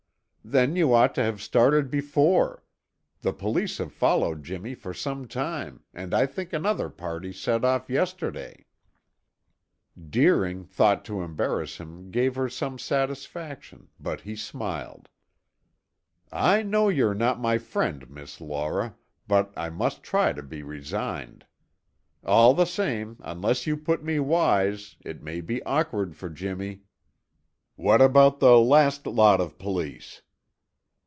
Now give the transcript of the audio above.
Then you ought to have started before. The police have followed Jimmy for some time and I think another party set off yesterday." Deering thought to embarrass him gave her some satisfaction, but he smiled. "I know you're not my friend, Miss Laura, and I must try to be resigned. All the same, unless you put me wise, it may be awkward for Jimmy. What about the last lot of police?"